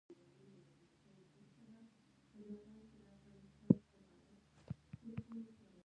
آیا د ایران ملي سرود لنډ او حماسي نه دی؟